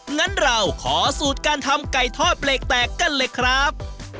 งั้นเราขอสูตรการทำไก่ทอดเบรกแตกกันเลยครับ